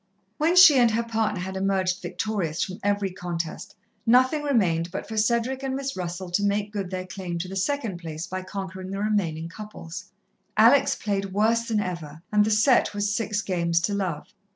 When she and her partner had emerged victorious from every contest, nothing remained but for Cedric and Miss Russell to make good their claim to the second place by conquering the remaining couples. Alex played worse than ever, and the sett was six games to love.